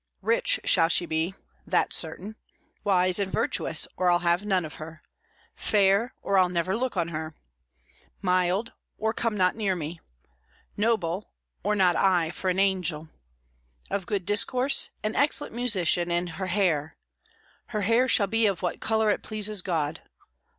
Rich she shall be that's certain; wise and virtuous, or I'll have none of her; fair, or I'll never look on her; mild, or come not near me; noble, or not I for an angel; of good discourse, an excellent musician, and her hair her hair shall be of what colour it pleases God....